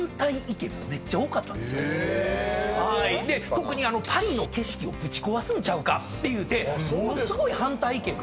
特にパリの景色をぶち壊すんちゃうかっていうてものすごい反対意見が多かったそうで。